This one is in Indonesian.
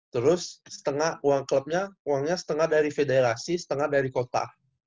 terus setengah uang klubnya uangnya setengah dari federasi setengah dari kota